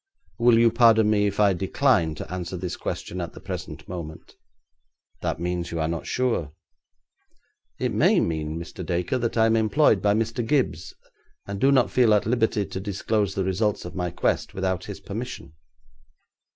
'Will you pardon me if I decline to answer this question at the present moment?' 'That means you are not sure.' 'It may mean, Mr. Dacre, that I am employed by Mr. Gibbes, and do not feel at liberty to disclose the results of my quest without his permission.'